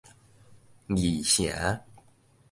二城